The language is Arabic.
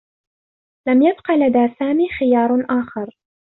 لم يبقى لدى سامي خيار آخر.